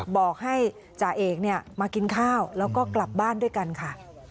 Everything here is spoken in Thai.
บอกให้จ่าเอกมากินข้าวแล้วก็กลับบ้านด้วยกันค่ะ